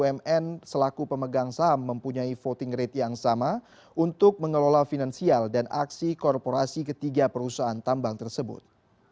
dan pemerintah pemerintah taman dan pemerintah taman mempunyai voting rate yang sama untuk mengelola finansial dan aksi korporasi ketiga perusahaan tambang tersebut